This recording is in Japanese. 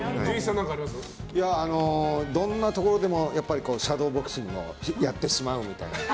どんなところでもシャドーボクシングをやってしまうみたいな。